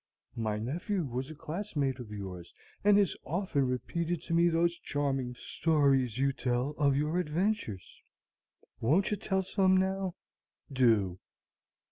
My nephew was a classmate of yours, and has often repeated to me those charming stories you tell of your adventures. Won't you tell some now? Do!